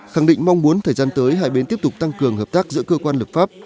khẳng định mong muốn thời gian tới hai bên tiếp tục tăng cường hợp tác giữa cơ quan lập pháp